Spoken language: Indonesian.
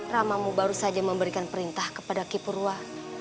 ramamu baru saja memberikan perintah kepada kipurwa